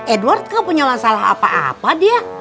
edward gak punya masalah apa apa dia